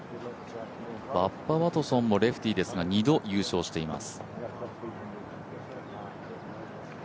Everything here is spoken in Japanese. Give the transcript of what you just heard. バッバ・ワトソンもレフティーですが２度優勝しています。